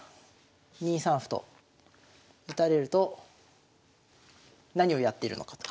２三歩と打たれると何をやってるのかと。